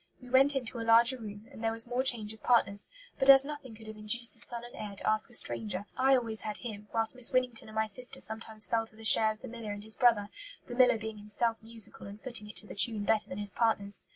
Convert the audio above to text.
We went into a larger room, and there was more change of partners; but as nothing could have induced the son and heir to ask a stranger, I always had him, whilst Miss Winnington and my sister sometimes fell to the share of the miller and his brother, the miller being himself musical and footing it to the tune better than his partners.